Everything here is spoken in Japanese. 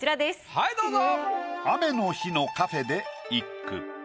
はいどうぞ。